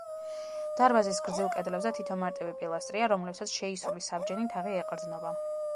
დარბაზის გრძივ კედლებზე თითო მარტივი პილასტრია, რომლებსაც შეისრული საბჯენი თაღი ეყრდნობა.